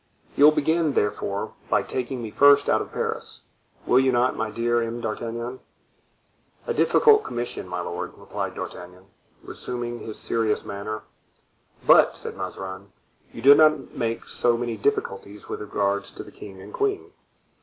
"You will begin, therefore, by taking me first out of Paris, will you not, my dear M. d'Artagnan?" "A difficult commission, my lord," replied D'Artagnan, resuming his serious manner. "But," said Mazarin, "you did not make so many difficulties with regard to the king and queen."